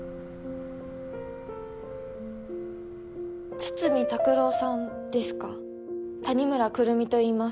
筒見拓郎さんですか谷村くるみと言います。